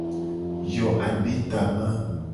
Yo aditama.